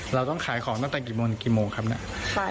เราต้องขายของตั้งแต่กี่โมงครับ